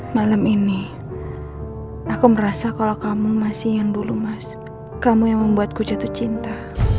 malam ini aku merasa kalau kamu masih yang dulu mas kamu yang membuatku jatuh cinta